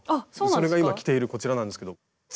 それが今着ているこちらなんですけど。